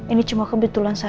ini cuma kebetulan saja ma